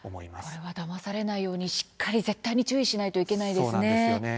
これはだまされないようにしっかり絶対に注意しないといけないですね。